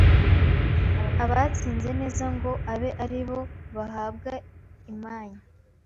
Abatsinze neza ngo abe ari bo bahabwa imanya